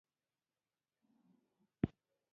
ویرېږي چې کورنی سیسټم یې خراب نه شي.